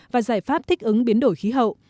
và giải pháp thích ứng biến đổi khí hậu